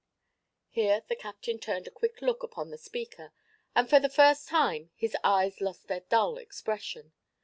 Here the captain turned a quick look upon the speaker and for the first time his eyes lost their dull expression.